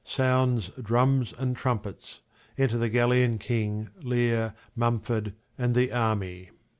Sounds drums and trumpets : Enter the Gallian king, Leir, Mumford, and the army.